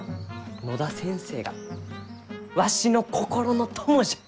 野田先生がわしの心の友じゃ！